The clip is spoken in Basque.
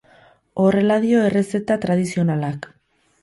Horrela dio errezeta tradizionalak.